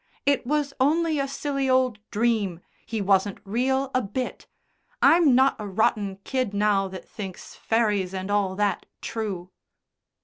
"It was only a silly old dream. He wasn't real a bit. I'm not a rotten kid now that thinks fairies and all that true."